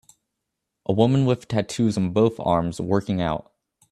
A woman with tattoos on both arms working out